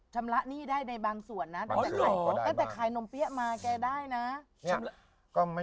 ชำระหนี้ได้ในบางส่วนนั้น